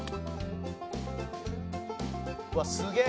「うわっすげえ！」